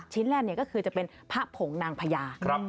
แรกก็คือจะเป็นพระผงนางพญา